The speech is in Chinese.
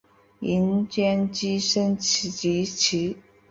银将之升级棋。